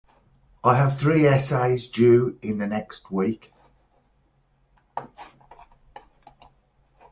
I have three essays due in the next week.